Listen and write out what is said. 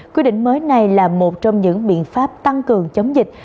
quy định mới này là một trong những biện pháp tăng cường chống dịch